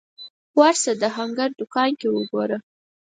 ورشه د هنګر دوکان کې وګوره